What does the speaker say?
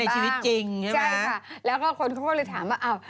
ใช่ค่ะแล้วคนเขาก็เลยถามว่า